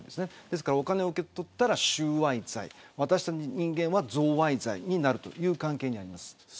ですから、お金を受け取ったら収賄罪渡した人間は贈賄罪になるという関係です。